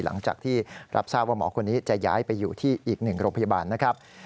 หลังจากที่รับทราบว่าหมอคนนี้จะย้ายไปอยู่ที่อีกหนึ่งโรงพยาบาลนะครับ